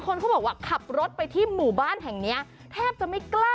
เขาบอกว่าขับรถไปที่หมู่บ้านแห่งเนี้ยแทบจะไม่กล้า